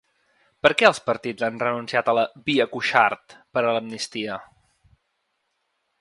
Per què els partits han renunciat a la “via Cuixart” per a l’amnistia?